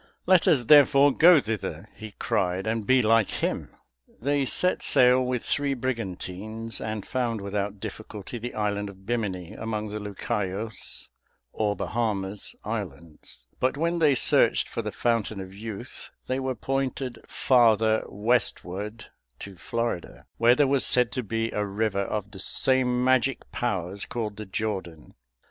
"Let us therefore go thither," he cried, "and be like him." They set sail with three brigantines and found without difficulty the island of Bimini among the Lucayos (or Bahamas) islands; but when they searched for the Fountain of Youth they were pointed farther westward to Florida, where there was said to be a river of the same magic powers, called the Jordan.